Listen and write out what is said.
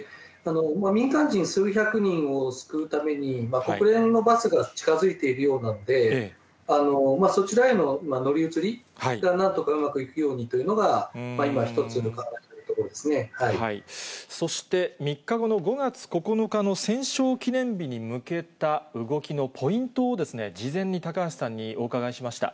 民間人数百人を救うために、国連のバスが近づいているようなんで、そちらへの乗り移りがなんとかうまくいくようにというのが今、そして、３日後の５月９日の戦勝記念日に向けた動きのポイントを事前に高橋さんにお伺いしました。